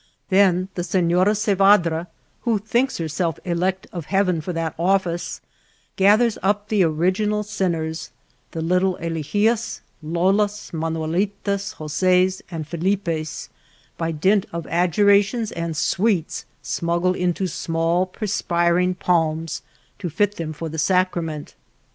Then the Sefiora Sevadra, who thinks herself elect of heaven for that ofHce, gathers up the original sin ners, the little Elijias, Lolas, Manuelitas, 272 THE LITTLE TOWN OF THE GRAPE VINES Joses, and Felipes, by dint of adjurations and sweets smuggled into small perspiring palms, to fit them for the Sacrament.